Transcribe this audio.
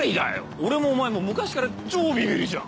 俺もお前も昔から超ビビリじゃん！